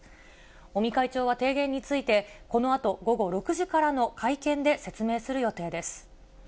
尾身会長は提言について、このあと午後６時からの会見で説明する予定です。